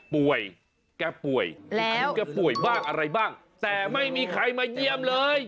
แกป่วยแกป่วยบ้างอะไรบ้างแต่ไม่มีใครมาเยี่ยมเลย